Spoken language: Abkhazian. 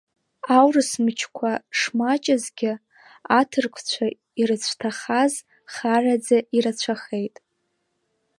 Аурыс мчқәа шмаҷызгьы, аҭырқәцәа ирыцәҭахаз хараӡа ирацәахеит.